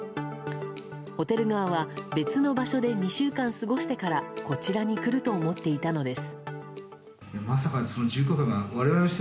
ホテル側は別の場所で２週間過ごしてからこちらに来ると思っていたのです。